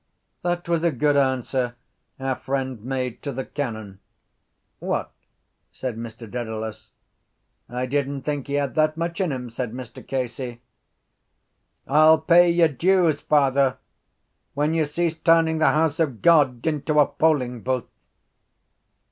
—That was a good answer our friend made to the canon. What? said Mr Dedalus. —I didn’t think he had that much in him, said Mr Casey. _—I’ll pay your dues, father, when you cease turning the house of God into a polling booth.